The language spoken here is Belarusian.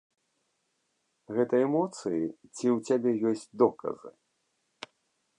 Гэта эмоцыі ці ў цябе ёсць доказы?